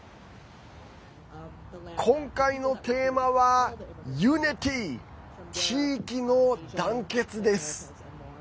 今回のテーマはユニティー地域の団結です。